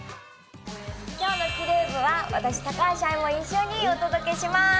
今日のキレイ部は私高橋愛も一緒にお届けします